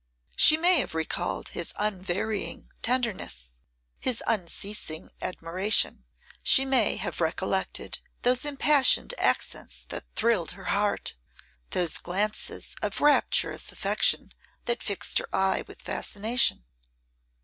She may have recalled his unvarying tenderness, his unceasing admiration; she may have recollected those impassioned accents that thrilled her heart, those glances of rapturous affection that fixed her eye with fascination.